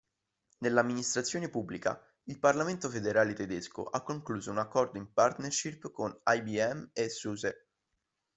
Nell'Amministrazione Pubblica il Parlamento Federale Tedesco ha concluso un accordo in partnership con IBM e SuSe.